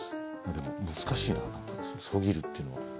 でも難しいな何かそぎるっていうのは。